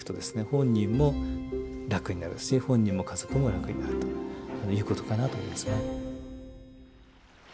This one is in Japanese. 本人も楽になるし本人も家族も楽になるということかなと思いますね。